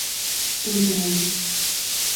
Un de xaneiro.